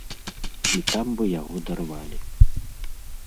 І там бы яго дарвалі.